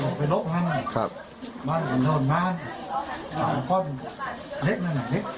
ออกไปลบมาน่ะครับบ้านน่ะโดนบ้านอ่าแล้วก็เล็กน่ะน่ะ